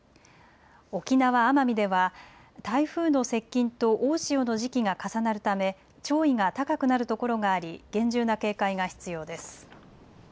沖縄・奄美では台風の接近と大潮の時期が重なるため潮位が高くなるところがあり厳重な警戒が必要です。